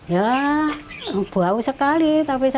ya bau sekali